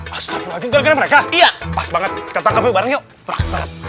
astagfirullahaladzim garing garing mereka iya pas banget tetangkap yuk